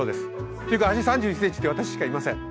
というか３１ｃｍって私しかいません。